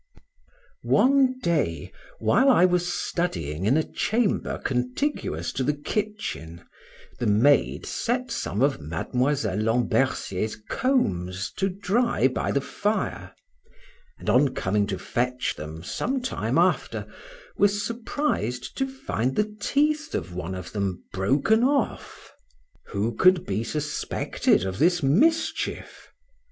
One day, while I was studying in a chamber contiguous to the kitchen, the maid set some of Miss Lambercier's combs to dry by the fire, and on coming to fetch them some time after, was surprised to find the teeth of one of them broken off. Who could be suspected of this mischief?